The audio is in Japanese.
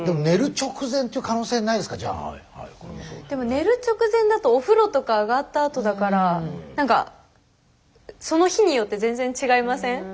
でも寝る直前だとお風呂とか上がったあとだからなんかその日によって全然違いません？